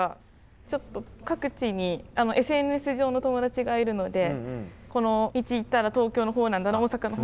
ちょっと各地にＳＮＳ上の友達がいるのでこの道行ったら東京のほうなんだな大阪のほう。